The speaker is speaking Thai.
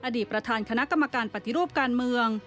อดีตประธานคณะกรรมการปฏิรูปการเมือง